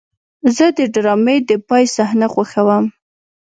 زه د ډرامې د پای صحنه خوښوم.